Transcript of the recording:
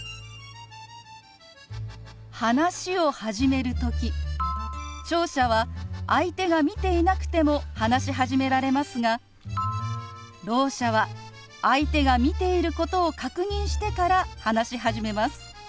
話を始める時聴者は相手が見ていなくても話し始められますがろう者は相手が見ていることを確認してから話し始めます。